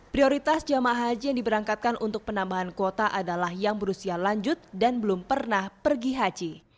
prioritas jamaah haji yang diberangkatkan untuk penambahan kuota adalah yang berusia lanjut dan belum pernah pergi haji